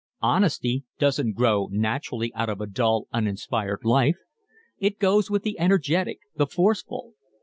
Honesty does not grow naturally out of a dull, uninspired life. It goes with the energetic, the forceful.